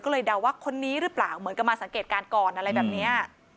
ก็เลยเดาว่าคนนี้หรือเปล่าเหมือนกับมาสังเกตการณ์ก่อนอะไรแบบนี้